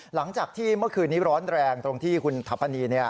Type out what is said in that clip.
หลังจากที่เมื่อคืนนี้ร้อนแรงตรงที่คุณทัพพะนีเนี่ย